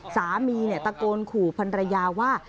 สามีตะโกนขู่พันรยาว่า